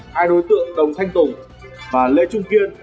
hai đối tượng đồng thanh tùng và lê trung kiên